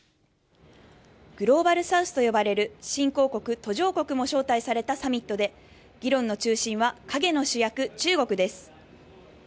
グローバルサウスと呼ばれる新興国・途上国も招待されたサミットで、議論の中心は陰の主役、中国です。